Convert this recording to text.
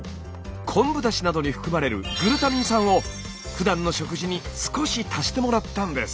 昆布だしなどに含まれるグルタミン酸をふだんの食事に少し足してもらったんです。